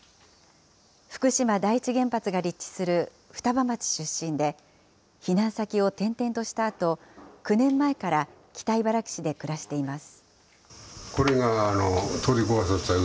福島第一原発が立地する双葉町出身で、避難先を転々としたあと、９年前から北茨城市で暮らしています。